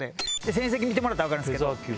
成績見てもらったら分かるんですけど。